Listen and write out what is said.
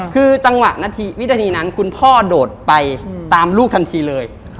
คือจังหวะวินาทีนั้นคุณพ่อโดดไปตามลูกทันทีเลย